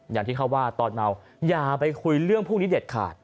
อย่างที่เขาว่าตอนเมาอย่าไปคุยเรื่องพวกนี้เด็ดขาด